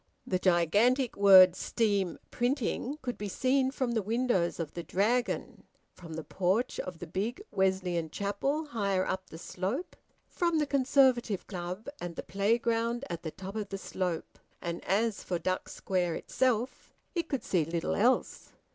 The gigantic word `Steam printing' could be seen from the windows of the Dragon, from the porch of the big Wesleyan chapel higher up the slope, from the Conservative Club and the playground at the top of the slope; and as for Duck Square itself, it could see little else.